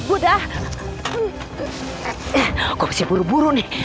gua mesti buru buru nih